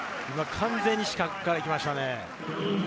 完全に死角から行きましたね。